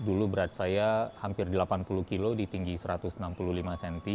dulu berat saya hampir delapan puluh kilo di tinggi satu ratus enam puluh lima cm